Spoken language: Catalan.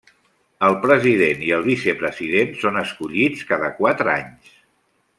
El president i el vicepresident són escollits cada quatre anys.